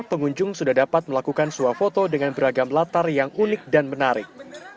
pengunjung sudah dapat melakukan suah foto dengan beragam latar yang unik dan menarik